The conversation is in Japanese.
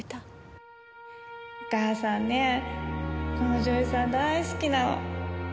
お母さんねこの女優さん大好きなの。